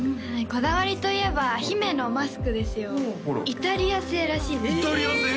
こだわりといえば姫のマスクですよイタリア製らしいですイタリア製！？